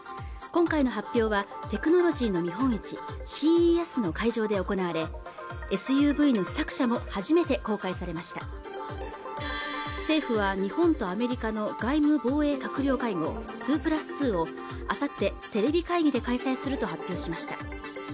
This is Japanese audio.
今回の発表はテクノロジーの見本市ＣＥＳの会場で行われＳＵＶの試作車も初めて公開されました政府は日本とアメリカの外務防衛閣僚会合２＋２をあさってテレビ会議で開催すると発表しました